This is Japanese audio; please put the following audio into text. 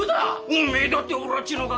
おめえだっておらんちの柿